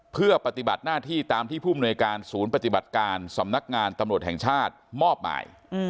เพื่อปฏิบัติหน้าที่ตามที่ผู้มนวยการศูนย์ปฏิบัติการสำนักงานตำรวจแห่งชาติมอบหมาย